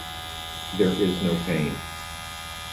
There is no pain.